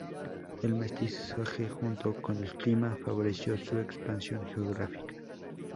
El mestizaje junto con el clima favoreció su expansión geográfica.